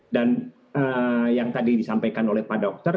dan yang tadi disampaikan oleh pak dokter